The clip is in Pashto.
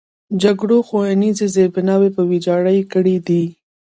جګړو ښوونیز زیربناوې ویجاړې کړي دي.